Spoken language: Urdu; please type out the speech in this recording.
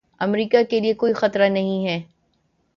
امریکا کے لیے کوئی خطرہ نہیں ہیں